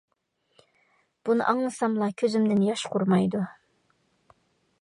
بۇنى ئاڭلىساملا كۆزۈمدىن ياش قۇرۇمايدۇ.